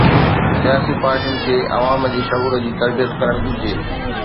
سياسي پارٽين کي عوام جي شعور جي تربيت ڪرڻ گهرجي.